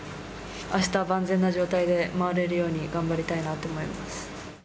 あした万全な状態で回れるように頑張りたいなと思います。